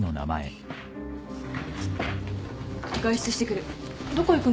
外出してくる。